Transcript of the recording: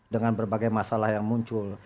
dengan berbagai masalah yang muncul